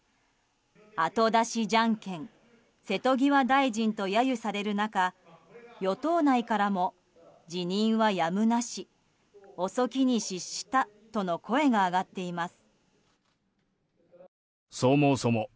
後出しじゃんけん、瀬戸際大臣と揶揄される中与党内からも、辞任はやむなし遅きに失したとの声が上がっています。